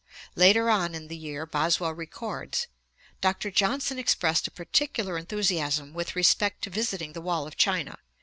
Later on in the year Boswell records: 'Dr. Johnson expressed a particular enthusiasm with respect to visiting the wall of China.